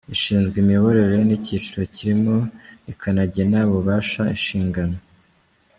gishinzwe Imiyoborere n‟icyiciro kirimo, rikanagena ububasha, inshingano